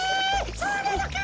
そうなのか！